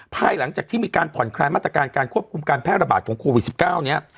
ภายหลังจากที่มีการผ่อนคลายมาตรการการควบคุมการแพร่ระบาดของโควิด๑๙เนี่ย